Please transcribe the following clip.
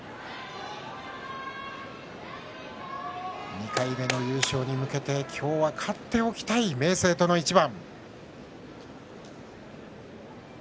２回目の優勝に向けて今日は勝っておきたい明生との一番。